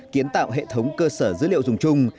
kiến tạo hệ thống cơ sở dữ liệu dùng chung